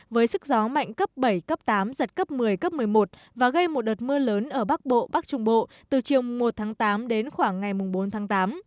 với sức gió mạnh cấp bảy cấp tám giật cấp một mươi cấp một mươi một và gây một đợt mưa lớn ở bắc bộ bắc trung bộ từ chiều một tháng tám đến khoảng ngày bốn tháng tám